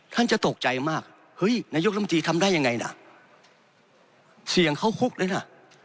ท่านจะตกใจมากเฮ้ยนายกรรมตรีทำได้ยังไงล่ะเสียงเขาฮุกเลยน่ะ